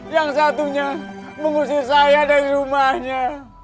yang satunya mengusir saya dari rumahnya